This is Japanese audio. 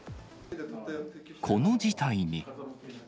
この事態に。